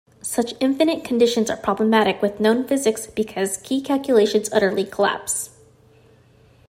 Such infinite conditions are problematic with known physics because key calculations utterly collapse.